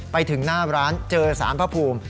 ไปถึงหน้าร้านเจอสารพระภูมิ